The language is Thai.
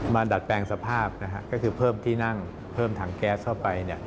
ดัดแปลงสภาพก็คือเพิ่มที่นั่งเพิ่มถังแก๊สเข้าไป